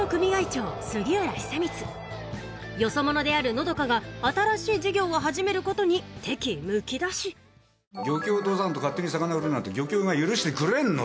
長杉浦久光よそ者である和佳が新しい事業を始めることに敵意むき出し漁協を通さんと勝手に魚売るなんて漁協が許してくれんのじゃ。